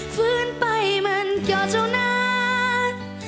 ฟื้นไปมันก็เท่านั้น